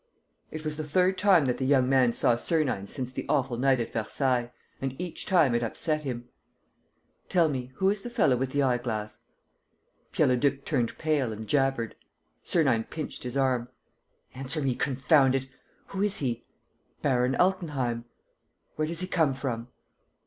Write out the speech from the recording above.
..." It was the third time that the young man saw Sernine since the awful night at Versailles; and each time it upset him. "Tell me ... who is the fellow with the eye glass?" Pierre Leduc turned pale and jabbered. Sernine pinched his arm: "Answer me, confound it! Who is he?" "Baron Altenheim." "Where does he come from?"